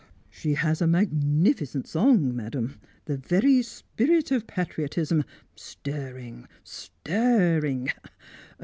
"She has a magnificent song, madam! The very spirit of Patriotism stirring, stirring!